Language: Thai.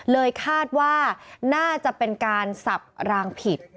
เลยคาดว่าน่าจะเป็นการสับรางผิด